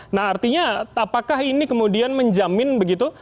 nah artinya apakah ini kemudian menjamin begitu